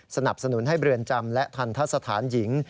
สนับสนุนให้เรือนจำและทันทะสถานหญิง